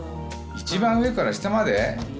一番上から下まで？